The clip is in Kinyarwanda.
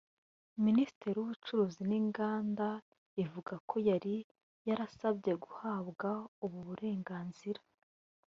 Minisiteri y’Ubucuruzi n’Inganda ivuga ko yari yarasabye guhabwa ubu burenganzira